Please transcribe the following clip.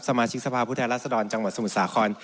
สมาชิกสภาพุทธแหละสะดอนจังหวัดสมุทรสาคร